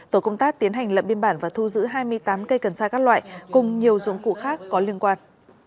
tổ công tác tiến hành lậm biên bản và thu giữ hai mươi tám cây cần sa các loại cùng nhiều dụng cụ khác có liên quan